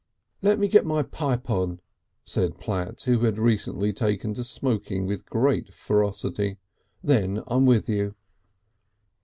"Lemme get my pipe on," said Platt, who had recently taken to smoking with great ferocity. "Then I'm with you."